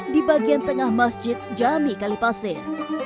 di bagian tengah masjid jami kalipasir